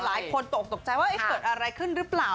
หลายคนตกตกใจว่าเกิดอะไรขึ้นหรือเปล่า